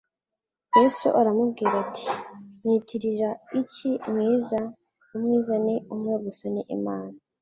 Yesu aramubwira ati : "Unyitira iki mwiza? Umwiza ni umwe gusa ni Imana."